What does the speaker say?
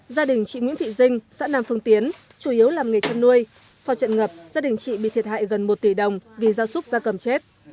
gia đình chị nguyễn thị dinh xã nam phương tiến chủ yếu làm nghề chăn nuôi sau trận ngập gia đình chị bị thiệt hại gần một tỷ đồng vì gia súc gia cầm chết